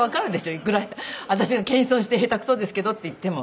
いくら私が謙遜して下手くそですけどって言っても。